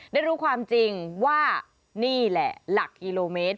ได้รู้ความจริงว่านี่แหละหลักกิโลเมตร